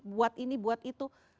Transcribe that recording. buat ini buat itu